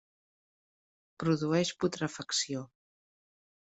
Produeix putrefacció.